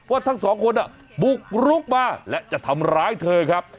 ทั้งสองคนบุกรุกมาและจะทำร้ายเธอครับ